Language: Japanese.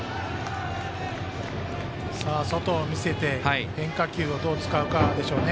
外を見せて変化球をどう使うかでしょうね。